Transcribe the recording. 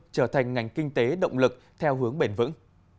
trở thành ngành kinh tế động lực theo hướng bền vững